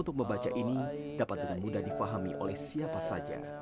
untuk membaca ini dapat dengan mudah difahami oleh siapa saja